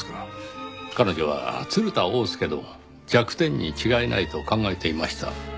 彼女は鶴田翁助の弱点に違いないと考えていました。